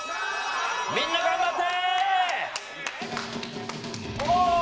みんな頑張って。